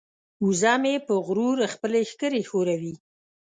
وزه مې په غرور خپلې ښکرې ښوروي.